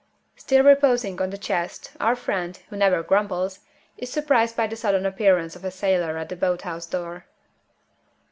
Still reposing on the chest, our friend, who never grumbles, is surprised by the sudden appearance of a sailor at the boat house door.